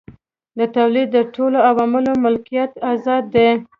د تولید د ټولو عواملو ملکیت ازاد دی.